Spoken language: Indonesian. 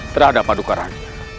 terhadap paduka raja